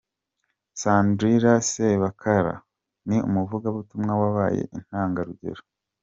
Sandrali Sebakara: Ni umuvugabutumwa wabaye intangarugero.